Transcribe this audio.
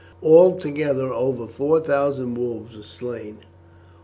Altogether over four thousand wolves were slain.